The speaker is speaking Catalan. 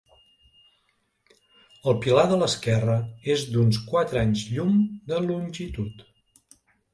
El pilar de l'esquerra és d'uns quatre anys llum de longitud.